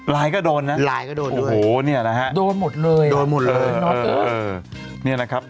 ไลน์ก็โดนนะโหนี่นะครับโดนหมดเลยน็อตตัว